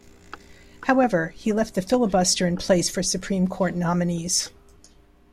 However, he left the filibuster in place for Supreme Court nominees.